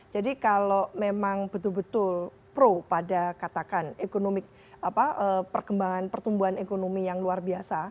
jadi kalau memang betul betul pro pada katakan ekonomi perkembangan pertumbuhan ekonomi yang luar biasa